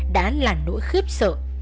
đã là nỗi khiếp sợ